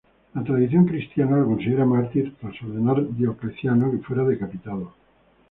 La tradición cristiana lo considera mártir tras ordenar Diocleciano que fuera decapitado.